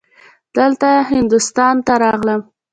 دلته هندوستان ته راغلم.